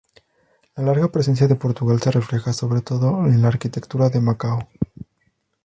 La larga presencia de Portugal se refleja sobre todo en la arquitectura de Macao.